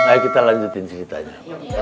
ayo kita lanjutin ceritanya